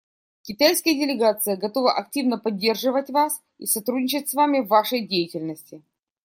Китайская делегация готова активно поддерживать вас и сотрудничать с вами в вашей деятельности.